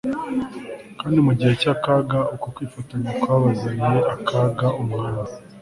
kandi mu gihe cyakaga uko kwifatanya kwazaniye akaga umwami